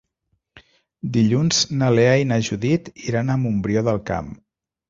Dilluns na Lea i na Judit iran a Montbrió del Camp.